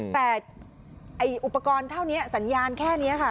แต่อุปกรณ์เท่านี้สัญญาณแค่นี้ค่ะ